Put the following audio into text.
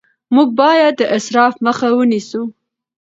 موږ باید د اسراف مخه ونیسو